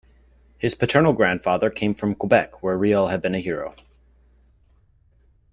His paternal grandfather came from Quebec, where Riel had been a hero.